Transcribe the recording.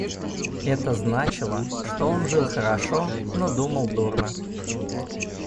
Это значило, что он жил хорошо, но думал дурно.